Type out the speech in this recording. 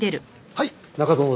はい。